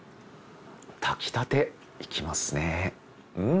炊きたていきますねうん。